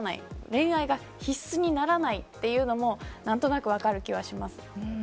恋愛が必須にならないというのも何となく分かる気はします。